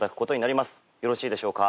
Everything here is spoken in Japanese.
よろしいでしょうか？